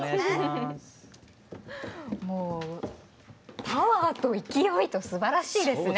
もうパワーと勢いとすばらしいですね。